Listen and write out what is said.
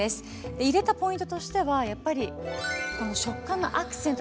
入れたポイントとしてはやっぱり食感のアクセントだと思います。